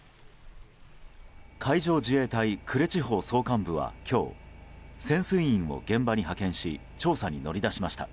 海上自衛隊呉地方総監部は今日潜水員を現場に派遣し調査に乗り出しました。